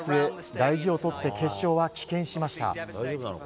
大事をとって決勝は棄権しました。